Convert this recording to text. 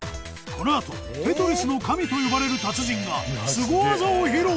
このあと、『テトリス』の神と呼ばれる達人がすご技を披露！